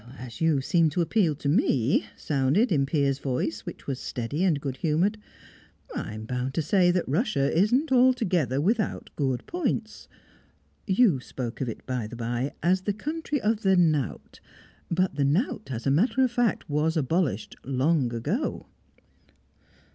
"As you seem to appeal to me," sounded in Piers' voice, which was steady and good humoured, "I'm bound to say that Russia isn't altogether without good points. You spoke of it, by the bye, as the country of the knout; but the knout, as a matter of fact, was abolished long ago."